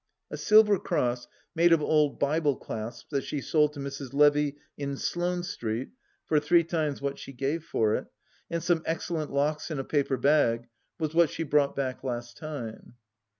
A silver cross, made of old Bible clasps, that she sold to Mrs. Levy in Sloane Street for three times what she gave for it, and some excellent Lachs in a paper bag, was what she brought back last time.